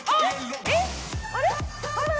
えっあれ？